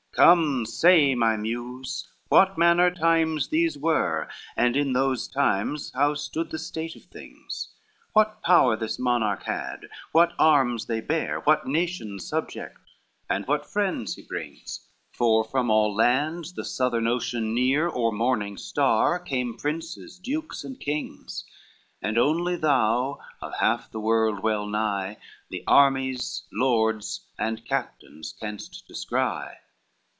III Come say, my Muse, what manner times these were, And in those times how stood the state of things, What power this monarch had, what arms they bear, What nations subject, and what friends he brings; From all lands the southern ocean near, Or morning star, came princes, dukes and kings, And only thou of half the world well nigh The armies, lords, and captains canst descry.